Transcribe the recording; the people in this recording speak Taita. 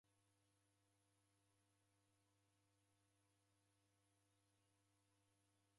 Ow'ivoya wimsighie moyo.